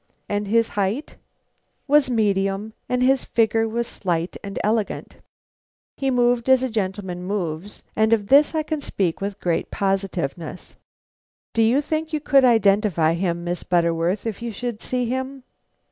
"And his height?" "Was medium, and his figure slight and elegant. He moved as a gentleman moves; of this I can speak with great positiveness." "Do you think you could identify him, Miss Butterworth, if you should see him?"